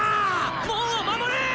門を守れ！